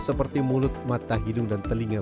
seperti mulut mata hidung dan telinga